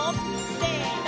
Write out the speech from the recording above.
せの！